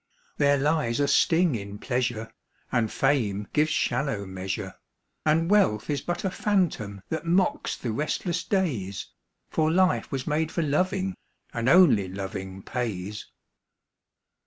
There lies a sting in pleasure, And fame gives shallow measure, And wealth is but a phantom that mocks the restless days, For life was made for loving, and only loving pays.